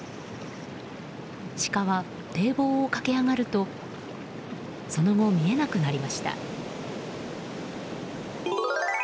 シカは堤防を駆け上がるとその後、見えなくなりました。